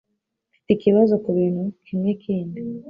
Mfite ikibazo kubintu kimwekindi.